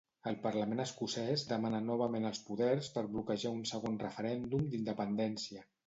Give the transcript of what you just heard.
El Parlament Escocès demana novament els poders per bloquejar un segon referèndum d'independència.